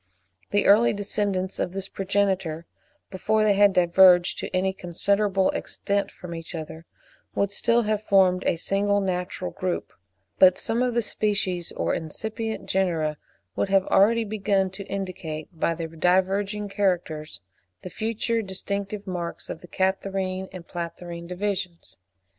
The early descendants of this progenitor, before they had diverged to any considerable extent from each other, would still have formed a single natural group; but some of the species or incipient genera would have already begun to indicate by their diverging characters the future distinctive marks of the Catarrhine and Platyrrhine divisions.